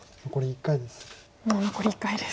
もう残り１回です。